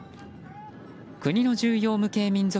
国の重要無形民俗